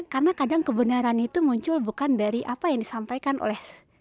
karena kadang kebenaran itu muncul bukan dari apa yang disampaikan oleh